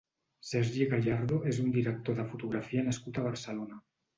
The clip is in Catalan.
Sergi Gallardo és un director de fotografia nascut a Barcelona.